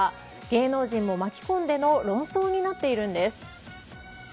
芸能人も巻き込んでの論争になっているんです。